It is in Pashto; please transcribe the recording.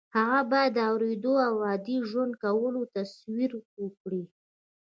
هغه باید د اورېدو او عادي ژوند کولو تصور وکړي